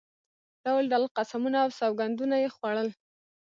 ډول ډول قسمونه او سوګندونه یې خوړل.